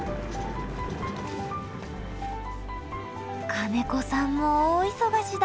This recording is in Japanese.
金子さんも大忙しだ。